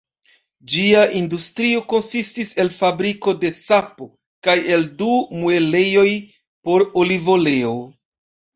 Ĝia industrio konsistis el fabriko de sapo kaj el du muelejoj por olivoleo.